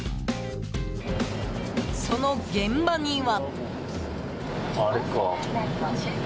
その現場には。